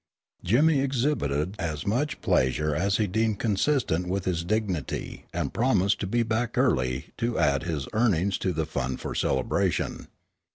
Jimmy exhibited as much pleasure as he deemed consistent with his dignity and promised to be back early to add his earnings to the fund for celebration.